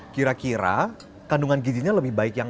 kira kira kandungan gizinya lebih baiknya apa